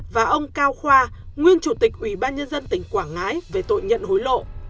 và ông cao khoa nguyên chủ tịch ubnd tỉnh quảng ngãi về tội nhận hối lộ